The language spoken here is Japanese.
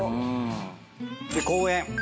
で公園。